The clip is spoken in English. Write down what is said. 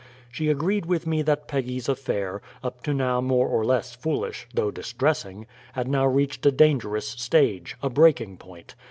She agreed with me that Peggy's affair, up to now more or less foolish, though distressing, had now reached a dangerous stage, a breaking point.